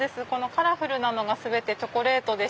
カラフルなのがチョコレートで。